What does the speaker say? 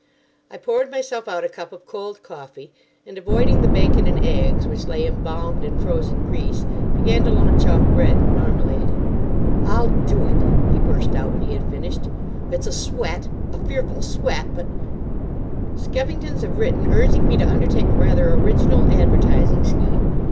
I poured myself out a cup of cold coffee, and, avoiding the bacon and eggs, which lay embalmed in frozen grease, began to lunch off bread and marmalade. "I'll do it," he burst out when he had finished. "It's a sweat—a fearful sweat, but—— "Skeffington's have written urging me to undertake a rather original advertising scheme.